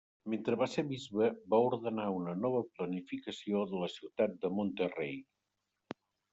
Mentre va ser bisbe va ordenar una nova planificació de la ciutat de Monterrey.